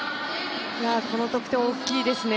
この得点、大きいですね。